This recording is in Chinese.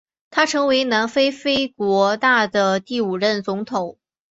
他成为南非非国大的第五任总统。